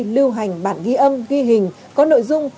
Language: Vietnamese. lưu hành bản ghi âm ghi hình có nội dung